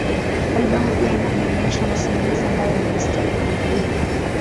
Albamu pia inajumuisha masimulizi ambayo yana mistari ya Biblia.